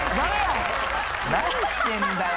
何してんだよ？